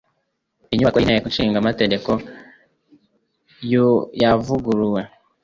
Inyubako y'Inteko Ishinga Amategeko yavuguruwe